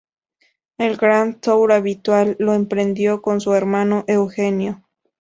El Grand Tour habitual lo emprendió con su hermano Eugenio.